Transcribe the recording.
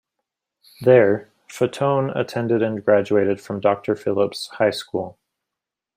There, Fatone attended and graduated from Doctor Phillips High School.